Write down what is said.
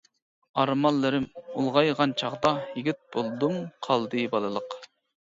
ئارمانلىرىم ئۇلغايغان چاغدا، يىگىت بولدۇم قالدى بالىلىق.